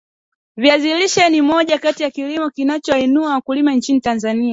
Viazi lishe ni moja kati ya kilimo kinachowainua wakulima nchini Tanzania